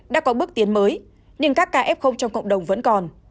đã có bước tiến mới nhưng các cái ép không cho cộng đồng vẫn còn